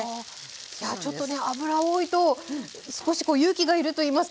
いやちょっとね油多いと少しこう勇気が要るといいますか。